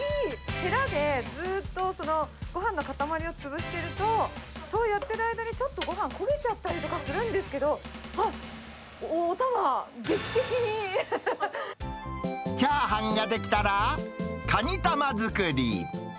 へらでずっとごはんの塊を潰してると、そうやってる間に、ちょっとごはん焦げちゃったりとかするんですけれども、お玉は劇チャーハンが出来たら、カニ玉作り。